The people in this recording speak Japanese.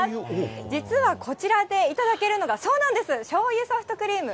実はこちらで頂けるのが、しょうゆソフトクリーム。